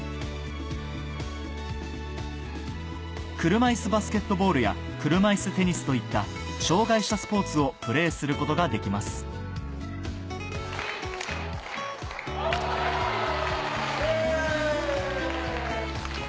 車いすバスケットボールや車いすテニスといった障がい者スポーツをプレーすることができます・イェイ！